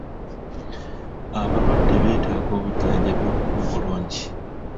Abalwadde beetaaga obujjanjabi okuba obulungi.